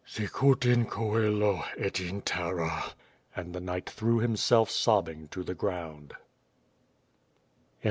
"8icut in coeh, et in terra !^' And the knight threw himself sobbing to the ground.